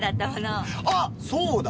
ああっそうだ！